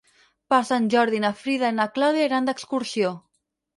Per Sant Jordi na Frida i na Clàudia iran d'excursió.